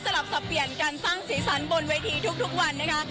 ลับสับเปลี่ยนการสร้างสีสันบนเวทีทุกวันนะคะ